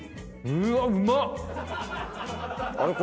⁉うわっうまっ！